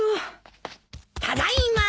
ただいま。